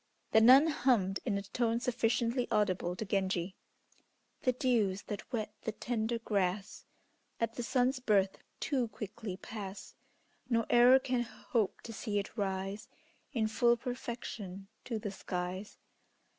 The nun hummed, in a tone sufficiently audible to Genji, "The dews that wet the tender grass, At the sun's birth, too quickly pass, Nor e'er can hope to see it rise In full perfection to the skies."